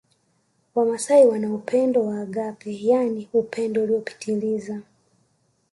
Wamasai wana upendo wa agape yaani upendo uliopitiliza